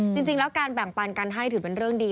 จริงแล้วการแบ่งปันกันให้ถือเป็นเรื่องดี